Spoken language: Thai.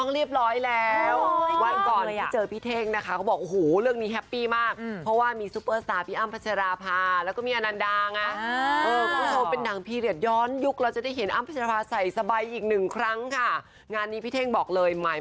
เรียกว่าหัวเหราะร่าน้ำตาลินแบบนี้เลย